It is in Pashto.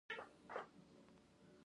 مسلمان باید د قرآن د لارښوونو پیروي وکړي.